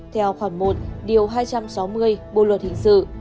theo khoảng một hai trăm sáu mươi bộ luật hình sự